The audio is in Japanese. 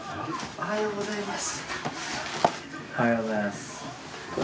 おはようございます。